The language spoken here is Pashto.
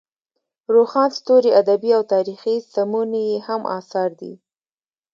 روښان ستوري ادبي او تاریخي سمونې یې هم اثار دي.